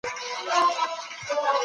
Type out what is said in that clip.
د مځکي سرچيني باید په سمه توګه وکارول سي.